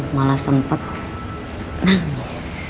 malah sempet nangis